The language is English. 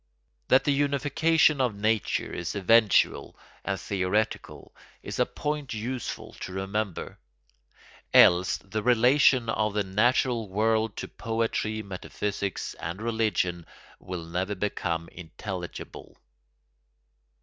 That the unification of nature is eventual and theoretical is a point useful to remember: else the relation of the natural world to poetry, metaphysics, and religion will never become intelligible.